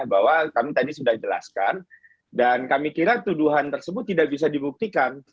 bahwa kami tadi sudah jelaskan dan kami kira tuduhan tersebut tidak bisa dibuktikan